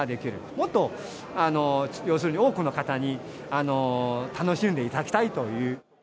もっと、要するに多くの方に楽しんでいただきたいという。